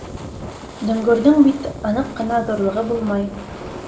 Дөңгөрҙөң бит аныҡ ҡына ҙурлығы булмай.